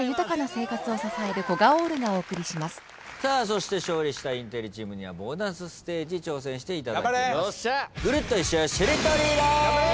そして勝利したインテリチームにはボーナスステージ挑戦していただきます。